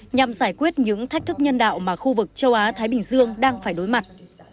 nhằm giải quyết những thách thức nhân đạo mà khu vực châu á thái bình dương đang phải đối mặt